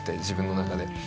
自分の中で。